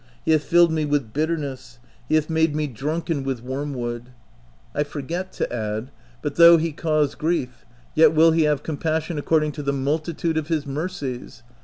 He hath filled me with bitterness, he hath made me drunken with 68 THE TENANT wormwood :"— I forget to add —" But though he cause grief, yet will he have compassion ac cording to the multitude of his mercies.